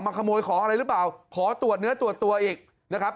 ขโมยของอะไรหรือเปล่าขอตรวจเนื้อตรวจตัวอีกนะครับ